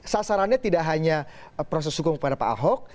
sasarannya tidak hanya proses hukum kepada pak ahok